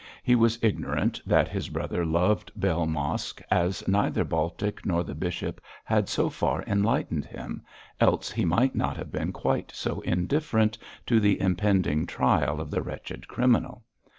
He was ignorant that his brother loved Bell Mosk, as neither Baltic nor the bishop had so far enlightened him, else he might not have been quite so indifferent to the impending trial of the wretched criminal.